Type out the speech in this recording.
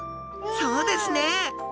そうですね。